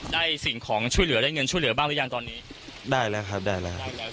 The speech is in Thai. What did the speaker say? สิ่งของช่วยเหลือได้เงินช่วยเหลือบ้างหรือยังตอนนี้ได้แล้วครับได้แล้ว